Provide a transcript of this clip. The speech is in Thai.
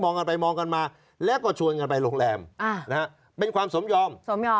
กันไปมองกันมาแล้วก็ชวนกันไปโรงแรมอ่านะฮะเป็นความสมยอมสมยอม